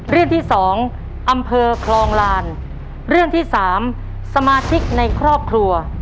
เรื่องที่สองอำเภอคลองลานเรื่องที่สามสมาชิกในครอบครัว